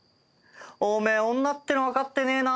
お前女っての分かってねえな。